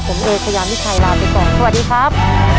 ผมเอเชยามิชัยลาไปก่อนสวัสดีครับ